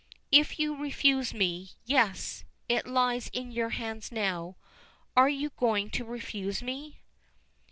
"If you refuse me yes. It lies in your hands now. Are you going to refuse me?"